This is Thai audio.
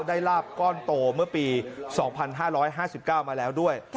ลาบก้อนโตเมื่อปี๒๕๕๙มาแล้วด้วย